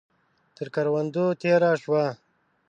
تر کروندو تېره شوه.